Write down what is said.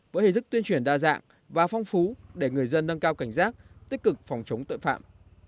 với hình thức tuyên truyền đa dạng và phong phú để người dân nâng cao cảnh giác tích cực phòng chống tội phạm